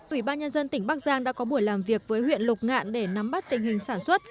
ủy ban nhân dân tỉnh bắc giang đã có buổi làm việc với huyện lục ngạn để nắm bắt tình hình sản xuất